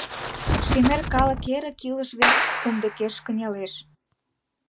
Шемер калык эрык илыш верч кумдыкеш кынелеш.